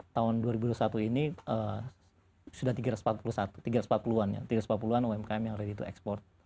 tahun dua ribu dua puluh satu ini sudah tiga ratus empat puluh an umkm yang ready to export